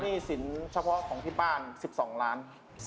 สินเฉพาะของที่บ้าน๑๒ล้าน